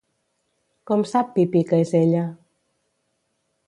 Com sap Pipí que és ella?